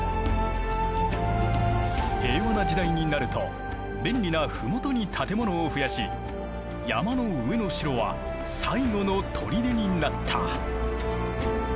平和な時代になると便利なふもとに建物を増やし山の上の城は最後の砦になった。